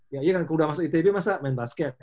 ya kan kalau sudah masuk itb masa main basket